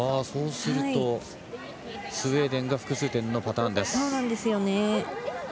そうするとスウェーデンが複数点のパターンです。